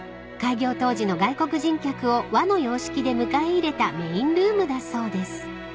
［開業当時の外国人客を和の様式で迎え入れたメインルームだそうです］